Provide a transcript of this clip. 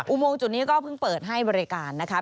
โมงจุดนี้ก็เพิ่งเปิดให้บริการนะคะ